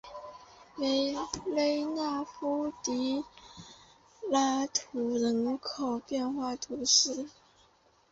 维勒纳夫迪拉图人口变化图示